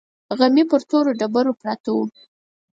غمي پر تورو ډبرو پراته وو.